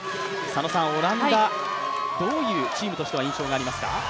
オランダ、どういうチームとしては印象がありますか？